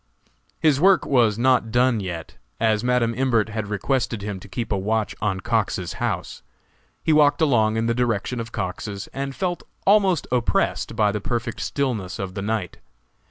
His work was not done yet, as Madam Imbert had requested him to keep a watch on Cox's house. He walked along in the direction of Cox's, and felt almost oppressed by the perfect stillness of the night.